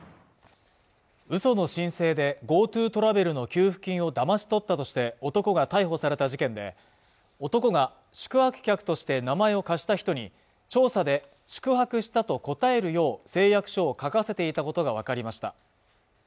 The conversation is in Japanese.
うその申請でＧｏＴｏトラベルの給付金をだまし取ったとして男が逮捕された事件で男が宿泊客として名前を貸した人に調査で宿泊したと答えるよう誓約書を書かせていたことが分かりました